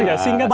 ya singkat saja